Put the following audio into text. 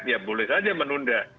ya boleh saja menunda